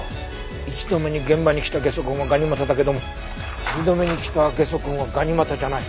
１度目に現場に来たゲソ痕はガニ股だけども２度目に来たゲソ痕はガニ股じゃない。